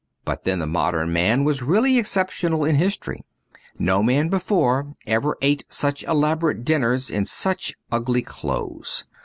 But then the modern man was really excep tional in history ; no man before ever ate such elaborate dinners in such ugly clothes.